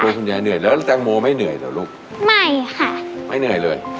คุณยายเหนื่อยแล้วแตงโมไม่เหนื่อยเหรอลูกไม่ค่ะไม่เหนื่อยเลย